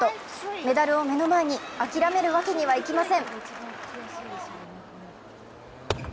メダルを目の前に諦めるわけにはいきません。